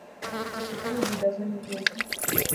Leteni bidhaa zenu kwetu.